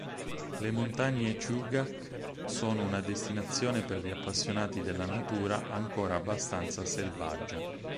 Le montagne Chugach sono una destinazione per gli appassionati della natura ancora abbastanza "selvaggia".